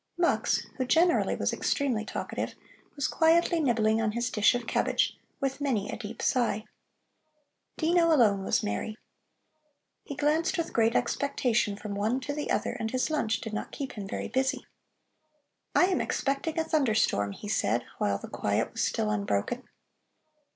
Mux, who generally was extremely talkative, was quietly nibbling on his dish of cabbage, with many a deep sigh. Dino alone was merry. He glanced with great expectation from one to the other, and his lunch did not keep him very busy. "I am expecting a thunderstorm," he said, while the quiet was still unbroken.